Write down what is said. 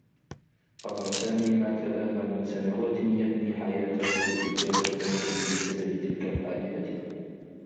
قضى سامي ما تلاها من سنوات يبني حياته التي كادت تنتهي بسبب تلك الحادثة.